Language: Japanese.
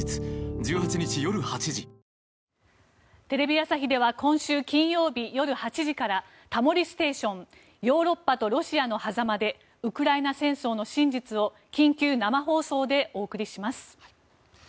テレビ朝日では今週金曜日、夜８時から「タモリステーションヨーロッパとロシアの狭間でウクライナ戦争の真実」を緊急生放送でお送りします。